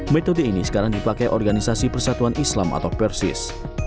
metode ini sekarang dipakai organisasi persatuan islam atau persis